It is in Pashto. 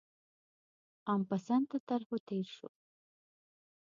عام پسنده طرحو تېر شو.